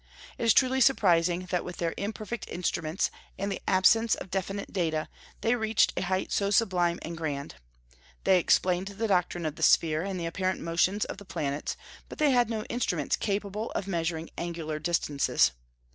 It is truly surprising that with their imperfect instruments, and the absence of definite data, they reached a height so sublime and grand. They explained the doctrine of the sphere and the apparent motions of the planets, but they had no instruments capable of measuring angular distances.